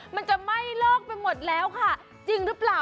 มันจะไหม้เลิกไปหมดแล้วค่ะจริงหรือเปล่า